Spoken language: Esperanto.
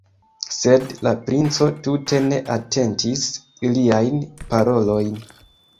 Sed la princo tute ne atentis iliajn parolojn.